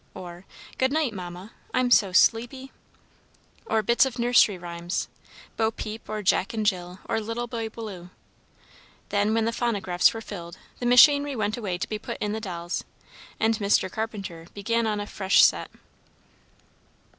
or "Good night, Mamma. I'm so sleepy!" or bits of nursery rhymes, Bo Peep or Jack and Jill or Little Boy Blue. Then, when the phonographs were filled, the machinery went away to be put in the dolls, and Mr. Carpenter began on a fresh set.